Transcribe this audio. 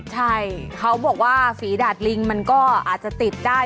ใช่เขาบอกว่าฝีดาดลิงมันก็อาจจะติดได้